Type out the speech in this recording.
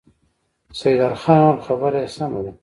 سيدال خان وويل: خبره يې سمه ده.